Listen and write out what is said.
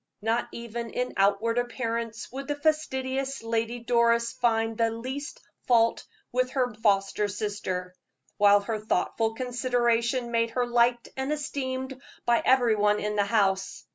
Not even in outward appearance could the fastidious Lady Doris find the least fault with her foster sister, while her thoughtful consideration made her liked and esteemed by every one in the house.